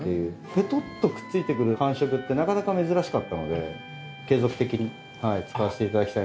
ぺとっとくっついてくる感触ってなかなか珍しかったので継続的に使わせて頂きたいなと思いました。